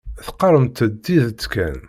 Teqqaremt-d tidet kan.